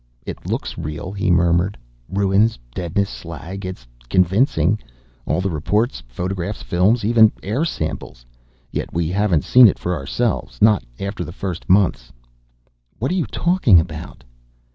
"It looks real," he murmured. "Ruins, deadness, slag. It's convincing. All the reports, photographs, films, even air samples. Yet we haven't seen it for ourselves, not after the first months ..." "What are you talking about?"